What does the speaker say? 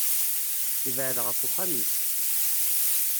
Yebɛed ɣef uxxam-is.